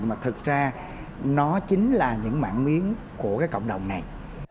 nhưng mà thực ra nó chính là những mảng miếng của cái cộng đồng này